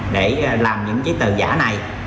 để làm những giấy tờ giả này